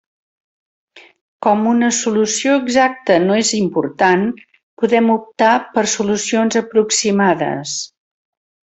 Com una solució exacta no és important, podem optar per solucions aproximades.